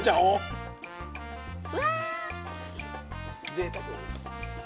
ぜいたく！